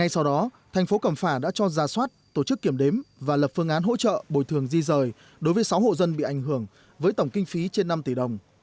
sau đó thành phố cẩm phả đã cho ra soát tổ chức kiểm đếm và lập phương án hỗ trợ bồi thường di rời đối với sáu hộ dân bị ảnh hưởng với tổng kinh phí trên năm tỷ đồng